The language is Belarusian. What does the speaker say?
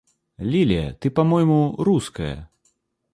Лілія, ты па-мойму руская?